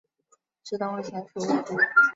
至东魏前属魏郡。